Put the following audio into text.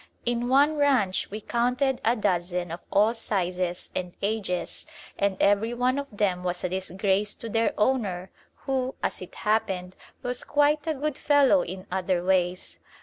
In one ranch we counted a dozen of all sizes and ages and every one of them was a disgrace to their owner, who, as it happened, was quite a good fellow in other ways.